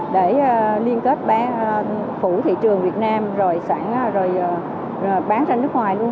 để liên kết bán phủ thị trường việt nam rồi sản rồi bán ra nước ngoài luôn